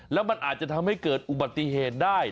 แล้วมันอาจจะทำให้เกิดอุบัติเหตุได้